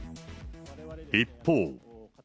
一方。